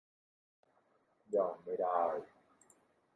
ยอมไม่ได้ !